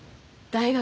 大学？